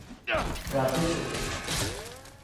রাতে ফোটে।